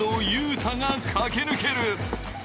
汰が駆け抜ける。